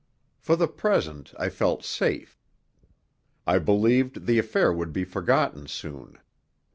For the present I felt safe. I believed the affair would be forgotten soon.